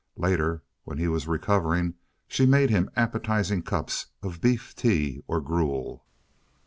Later, when he was recovering, she made him appetizing cups of beef tea or gruel.